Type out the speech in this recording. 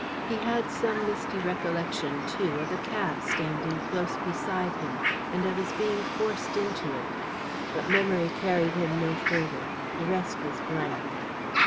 He had some misty recollection, too, of a cab standing close beside him, and of his being forced into it. But memory carried him no further; the rest was blank.